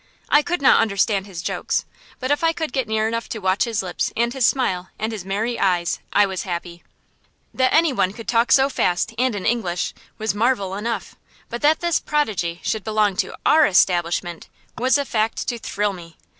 I could not understand his jokes, but if I could get near enough to watch his lips and his smile and his merry eyes, I was happy. That any one could talk so fast, and in English, was marvel enough, but that this prodigy should belong to our establishment was a fact to thrill me.